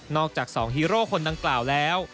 จาก๒ฮีโร่คนดังกล่าวแล้ว